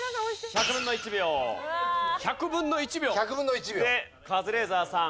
１００分の１秒？１００分の１秒。でカズレーザーさん